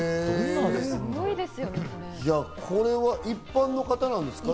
これは一般の方なんですか？